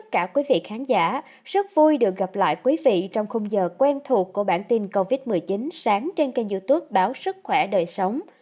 chào mừng quý vị đến với bản tin covid một mươi chín sáng trên kênh youtube báo sức khỏe đời sống